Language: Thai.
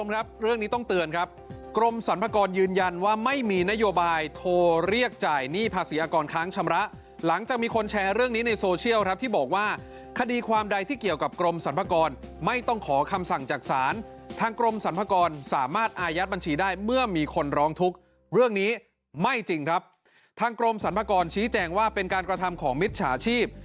เรื่องนี้ไม่จริงครับทางกรมสรรพากรชี้แจงว่าเป็นการกระทำของมิตรฉาชีพ